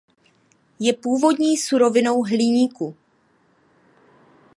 Je původní surovinou hliníku.